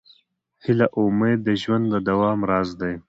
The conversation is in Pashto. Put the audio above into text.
هیله او امید د ژوند د دوام راز دی.